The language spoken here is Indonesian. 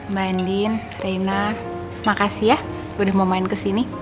mbak andin reina makasih ya udah mau main kesini